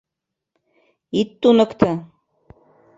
Ит туныкто!